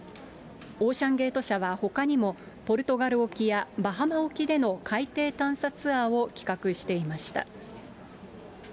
オーシャンゲート社はほかにもポルトガル沖やバハマ沖での海底探査ツアーを企画していました。